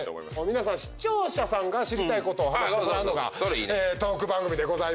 皆さん視聴者さんが知りたいこと話してもらうのがトーク番組でございますから。